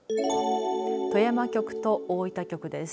富山局と大分局です。